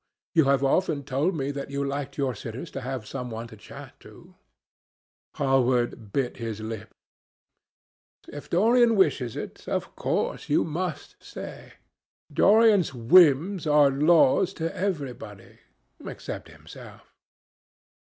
You have often told me that you liked your sitters to have some one to chat to." Hallward bit his lip. "If Dorian wishes it, of course you must stay. Dorian's whims are laws to everybody, except himself."